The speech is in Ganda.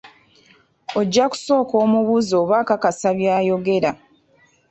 Ojja kusooka omubuuze oba akakasa by’ayogera.